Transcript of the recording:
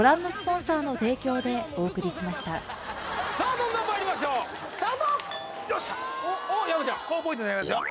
どんどんまいりましょうスタートおっ山ちゃん高ポイント狙いますよ